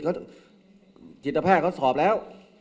ผู้หญิงเขาสอบแล้ว